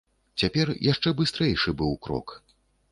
Цяпер яшчэ быстрэйшы быў крок.